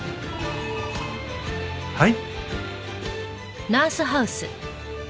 はい。